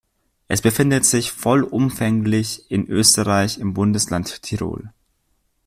Es befindet sich vollumfänglich in Österreich im Bundesland Tirol.